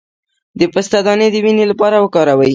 د پسته دانه د وینې لپاره وکاروئ